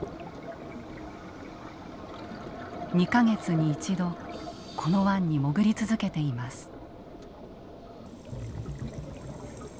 ２か月に一度この湾に潜り続けています。